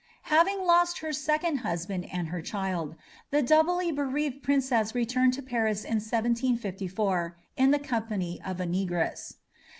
Having lost her second husband and her child, the doubly bereaved princess returned to Paris in 1754, in the company of a negress.